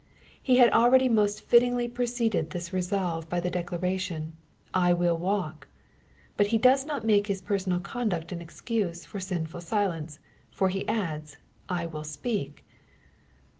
He had al ready most fittingly preceded this resolve by the declaration, " I will walk," but he does not make his personal conduct an excuse for sinful silence, for he adds, I will speak."